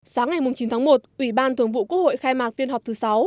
sáng ngày chín tháng một ủy ban thường vụ quốc hội khai mạc phiên họp thứ sáu